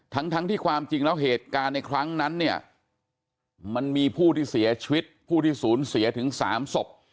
ทั้งที่ความจริงแล้วเหตุการณ์ในครั้งนั้นเนี่ยมันมีผู้ที่เสียชีวิตผู้ที่สูญเสียถึง๓ศพ